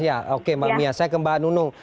ya oke mbak mia saya ke mbak nunung